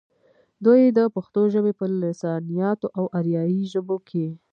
دوي د پښتو ژبې پۀ لسانياتو او اريائي ژبو کښې